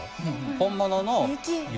本物の雪。